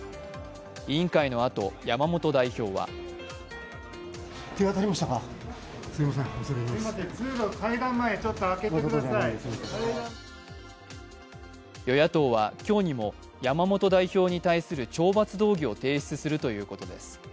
委員会のあと山本代表は与野党は今日にも山本代表に対する懲罰動議を提出するということです。